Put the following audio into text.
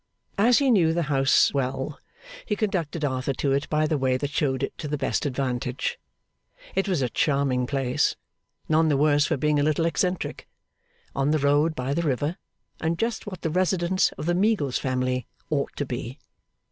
As he knew the house well, he conducted Arthur to it by the way that showed it to the best advantage. It was a charming place (none the worse for being a little eccentric), on the road by the river, and just what the residence of the Meagles family ought to be.